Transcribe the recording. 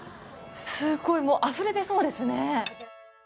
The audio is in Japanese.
すっごい、もうあふれ出そうですね。